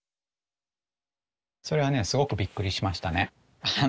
それはねすごくびっくりしましたね。